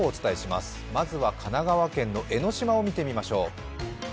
まずは神奈川県の江の島を見てみましょう。